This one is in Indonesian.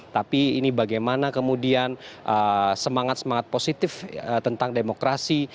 tapi ini bagaimana kemudian semangat semangat positif tentang demokrasi